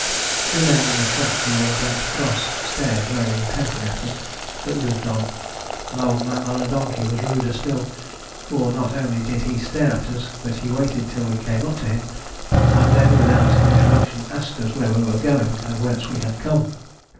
Two men on a track we were about to cross stared very intently at us, but moved on. An old man on a donkey was ruder still; for not only did he stare at us, but he waited till we came up to him, and then without an introduction asked us where we were going and whence we had come.